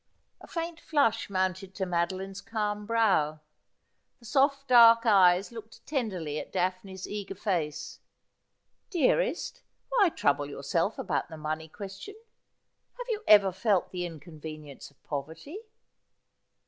A faint flush mounted to Madeline's calm brow. The soft dark eyes looked tenderly at Daphne's eager face. ' Dearest, why trouble yourself about the money question ? Have you ever felt the inconvenience of poverty